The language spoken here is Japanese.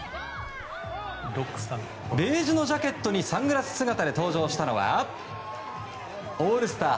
ベージュのジャケットにサングラス姿で登場したのはオールスター